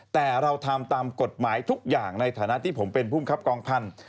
แต่เราทำตามกฎหมายทุกอย่างในฐานะที่ผมเป็นภูมิครับกองพันธุ์